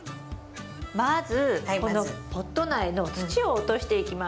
まずこのポット苗の土を落としていきます。